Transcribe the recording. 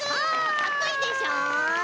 かっこいいでしょ。